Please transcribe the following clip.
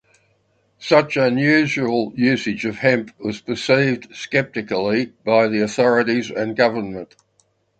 Such unusual usage of hemp was perceived skeptically by the authorities and government.